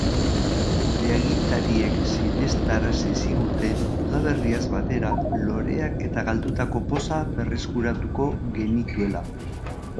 Gure agintariek sinestarazi ziguten udaberriaz batera loreak eta galdutako poza berreskuratuko genituela.